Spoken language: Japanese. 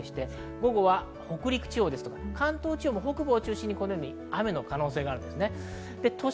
ここは北陸、関東地方も北部を中心に雨の可能性があります。